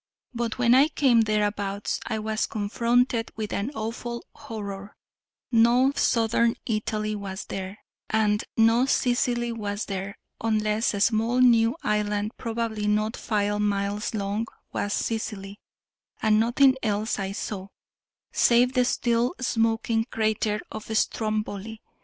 But when I came thereabouts, I was confronted with an awful horror: for no southern Italy was there, and no Sicily was there, unless a small new island, probably not five miles long, was Sicily; and nothing else I saw, save the still smoking crater of Stromboli.